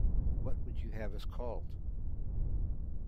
What would you have us called?